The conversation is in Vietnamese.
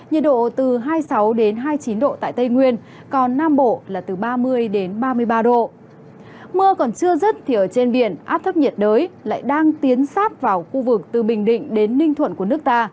mưa còn chưa dứt thì ở trên biển áp thấp nhiệt đới lại đang tiến sát vào khu vực từ bình định đến ninh thuận của nước ta